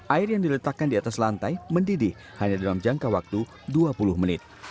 air yang diletakkan di atas lantai mendidih hanya dalam jangka waktu dua puluh menit